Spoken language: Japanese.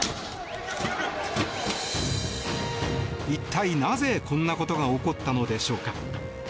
一体なぜこんなことが起こったのでしょうか。